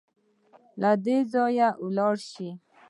له دې ځايه ولاړ سئ